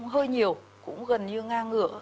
hơi nhiều cũng gần như ngang ngựa